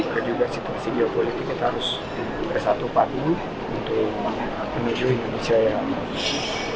dan juga situasi geopolitik kita harus bersatu patuh untuk menuju indonesia yang